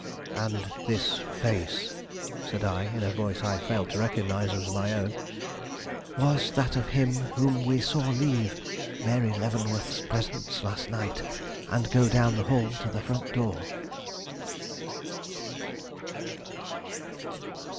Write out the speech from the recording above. "And this face?" said I, in a voice I failed to recognize as my own. "Was that of him whom we saw leave Mary Leavenworth's presence last night and go down the hall to the front door."